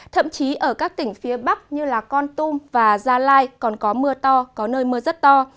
thậm chí ở các tỉnh phía bắc như con tum và gia lai còn có mưa to có nơi mưa rất to